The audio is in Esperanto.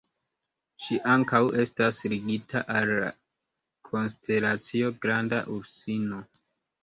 Ŝi ankaŭ estas ligita al la konstelacio Granda Ursino.